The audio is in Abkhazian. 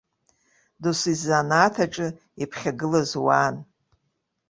Дасу изанааҭ аҿы иԥхьагылаз уаан.